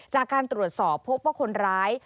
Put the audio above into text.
จากการตรวจสอบพบว่าคนร้าย